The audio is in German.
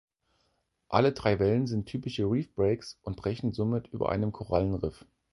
Alle drei Wellen sind typische "Reef Breaks" und brechen somit über einem Korallenriff.